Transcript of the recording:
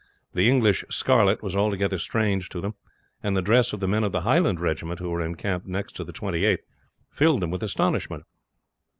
The English scarlet was altogether strange to them, and the dress of the men of the Highland regiment, who were encamped next to the Twenty eighth, filled them with astonishment.